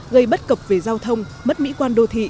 gây bất cập về giao thông mất mỹ quan đô thị